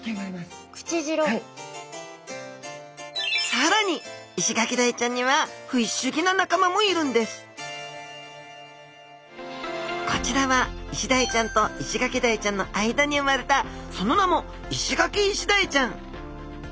さらにイシガキダイちゃんにはこちらはイシダイちゃんとイシガキダイちゃんの間に生まれたその名もイシガキイシダイちゃん。